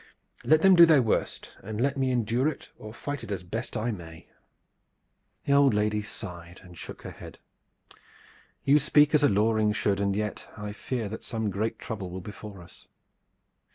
Let them do their worst, and let me endure it or fight it as best I may." The old lady sighed and shook her head. "You speak as a Loring should, and yet I fear that some great trouble will befall us.